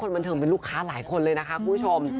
บันเทิงเป็นลูกค้าหลายคนเลยนะคะคุณผู้ชม